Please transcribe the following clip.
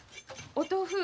お豆腐？